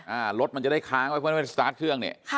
รถมันจะได้ค้างไว้เพื่อไม่สตาร์ทเครื่องเนี่ยค่ะ